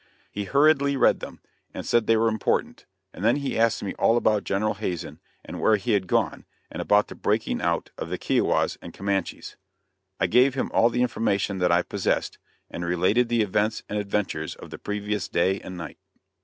He hurriedly read them, and said they were important; and then he asked me all about General Hazen and where he had gone, and about the breaking out of the Kiowas and Comanches. I gave him all the information that I possessed, and related the events and adventures of the previous day and night.